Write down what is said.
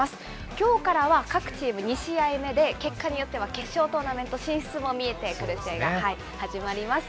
きょうからは各チーム２試合目で、結果によっては決勝トーナメント進出も見えてくる試合が始まります。